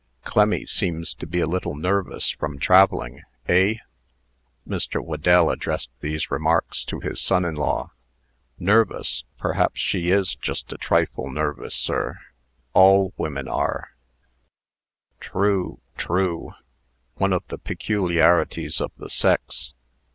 Clemmy seems to be a little nervous from travelling, eh?" Mr. Whedell addressed these remarks to his son in law. "Nervous? Perhaps she is just a trifle nervous, sir. All women are." "True true! One of the peculiarities of the sex.